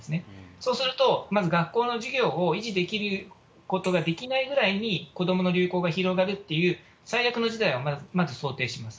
そうすると、まず学校の授業を維持できることができないぐらいに子どもの流行が広がるっていう最悪の事態を、まず想定します。